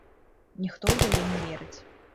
Ніхто ў яе не верыць.